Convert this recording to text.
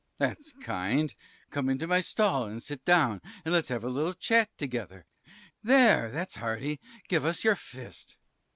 Cris. That's kind. Come into my stall and sit down, and let's have a little chat together; there, that's hearty; give us your fist.